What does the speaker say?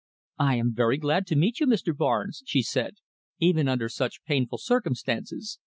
"I am very glad to meet you, Mr. Barnes," she said, "even under such painful circumstances.